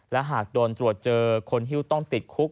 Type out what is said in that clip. และหากโดนตรวจเจอคนฮิ้วต้องติดคุก